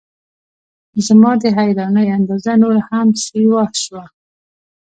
زما د حیرانۍ اندازه نوره هم سیوا شوه.